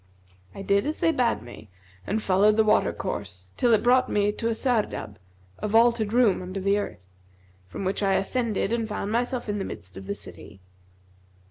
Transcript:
I did as they bade me, and followed the water course, till it brought me to a Sardab, a vaulted room under the earth, from which I ascended and found myself in the midst of the city.